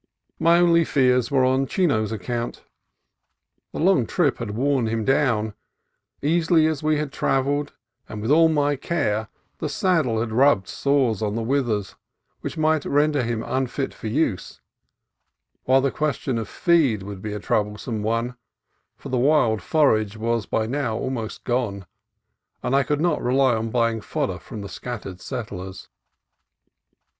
My only fears were on Chino's account. The long trip had worn him down, easily as we had travelled, and with all my care the saddle had rubbed sores on the withers which might render him unfit for use; while the question of feed would be a troublesome one, for the wild forage was by now almost gone, and I could not rely upon buying fodder from the scat tered settlers.